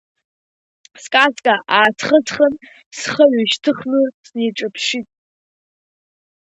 Скаска аасхысхын, схы ҩышьҭыхны сниҿаԥшит.